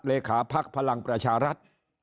เลขาภักดิ์พลังประชารัฐ